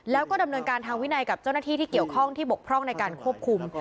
แล้วก็ดำเนินการทางวินัยกับเจ้าหน้าที่ที่เกี่ยวข้องที่บกพร่องในการควบคุม